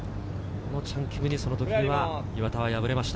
このチャン・キムに、その時、岩田は敗れました。